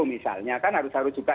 misalnya kan harus harus juga